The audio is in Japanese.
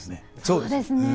そうですね。